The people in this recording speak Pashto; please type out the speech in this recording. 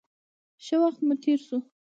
ښه وخت مو تېر شو.